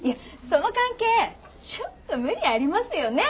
その関係ちょっと無理ありますよね？